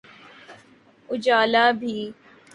اجالا بھی۔